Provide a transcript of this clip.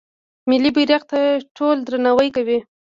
ملي بیرغ ته ټول درناوی کوي.